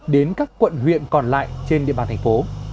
đến các quận huyện còn lại trên địa bàn tp